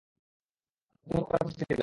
তারপর তিনি মক্কার পথে ফিরে গেলেন।